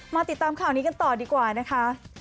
ติดตามข่าวนี้กันต่อดีกว่านะคะ